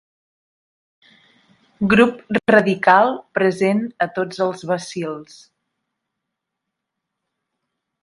Grup radical present a tots els bacils.